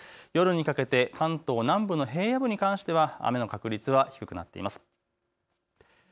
夜にかけて関東南部の平野部に関しては雨の確率は低くなっています。